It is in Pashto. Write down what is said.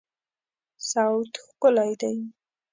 صوت ښکلی دی